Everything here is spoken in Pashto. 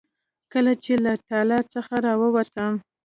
کله چې له تالار څخه راووتم.